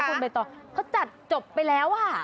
เขาจัดจบไปแล้วอ่ะ